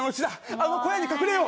あの小屋に隠れよう！